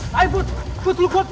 lu kutut lu bertahan